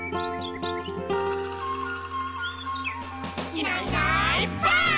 「いないいないばあっ！」